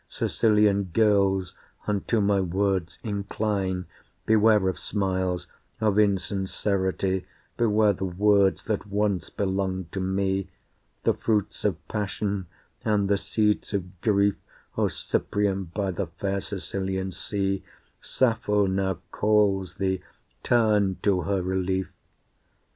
Sicilian girls, unto my words incline, Beware of smiles, of insincerity, Beware the words that once belonged to me, The fruits of passion and the seeds of grief; O Cyprian by the fair Sicilian sea, Sappho now calls thee, turn to her relief!